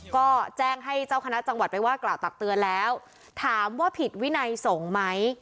ก็แจ้งให้เจ้าคณะจังหวัดไปว่ากล่าวตักเตือนแล้วถามว่าผิดวินัยสงฆ์ไหม